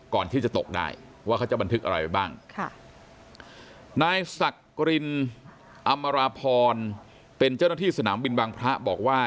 ก่อนที่จะตกได้ว่าเขาจะบันทึกอะไรไว้บ้างค่ะนายสักกรินอำราพรเป็นเจ้าหน้าที่สนามบินบางพระบอกว่า